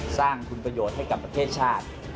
สร้างคุณประโยชน์ให้กับประเทศชาติ